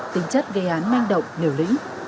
tất gây án manh động liều lĩnh